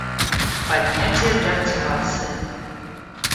Поднятие для активации